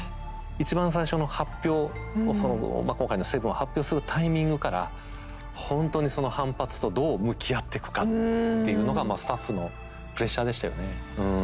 一番最初の発表をそのまあ今回の「７」を発表するタイミングからほんとにその反発とどう向き合ってくかっていうのがまあスタッフのプレッシャーでしたよねうん。